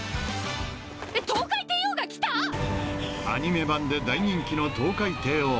［アニメ版で大人気のトウカイテイオー］